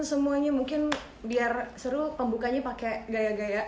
semuanya mungkin biar seru pembukanya pakai gaya gaya